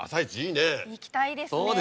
行きたいですね。